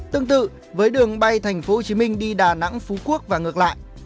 tương tự với đường bay tp hcm đi đà nẵng phú quốc và ngược lại